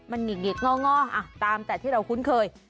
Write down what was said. อ่าตามแต่ที่เราคุ้นเคย